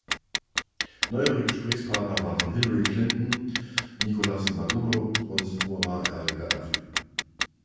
Neuere Gesprächspartner waren Hillary Clinton, Nicolás Maduro und Muammar al-Gaddafi.